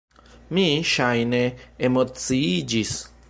Mi, ŝajne, emociiĝis.